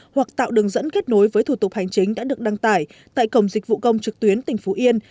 hoặc tạo đường dẫn kết nối với thủ tục hành chính đã được đăng tải tại cổng dịch vụ công trực tuyến tỉnh phú yên